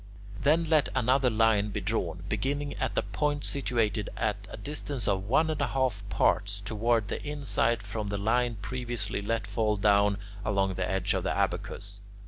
Then let another line be drawn, beginning at a point situated at a distance of one and a half parts toward the inside from the line previously let fall down along the edge of the abacus.